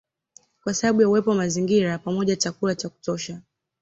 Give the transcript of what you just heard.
Kwa sababu ya uwepo wa mazingira pamoja chakula cha kutosha